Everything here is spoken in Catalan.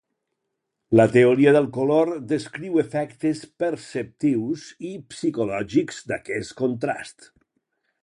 La teoria del color descriu efectes perceptius i psicològics d'aquest contrast.